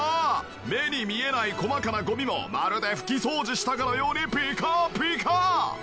目に見えない細かなゴミもまるで拭き掃除したかのようにピカピカ！